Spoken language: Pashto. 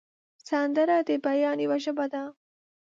سندره د بیان یوه ژبه ده